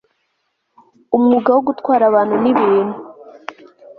umwuga wo gutwara abantu n'ibintu